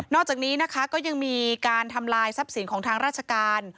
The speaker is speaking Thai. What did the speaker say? อกจากนี้นะคะก็ยังมีการทำลายทรัพย์สินของทางราชการ